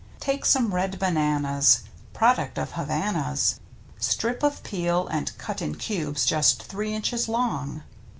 Take some red bananas (Product of Havana's!), Strip of peel, and cut in cubes just three inches long.